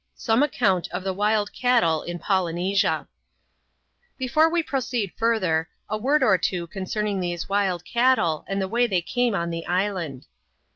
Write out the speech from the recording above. Some aeeonnt of the Wild Cattle in Polynesisu Bbfobb we proceed further, a word or two concerning these wild cattle, and the way they came on the island.